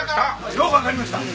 ようわかりました。